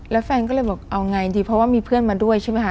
แล้วแฟนก็เลยบอกเอาไงดีเพราะว่ามีเพื่อนมาด้วยใช่ไหมคะ